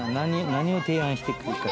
何を提案してくるか。